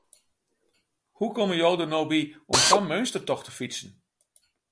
Hoe komme jo der no by om sa'n meunstertocht te fytsen?